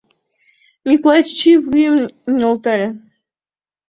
Миклай чӱчӱ вуйым нӧлтале.